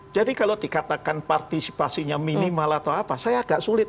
jadi kalau dikatakan partisipasinya minimal atau apa saya agak sulit